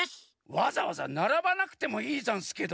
わざわざならばなくてもいいざんすけど。